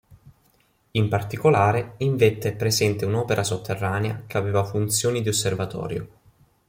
In particolare, in vetta è presente un'opera sotterranea che aveva funzioni di osservatorio.